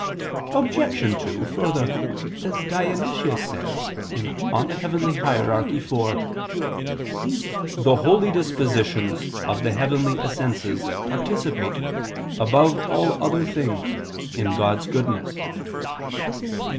Obj. 2: Further, as Dionysius says (Coel. Hier. iv): "The holy dispositions of the heavenly essences participate, above all other things, in God's goodness."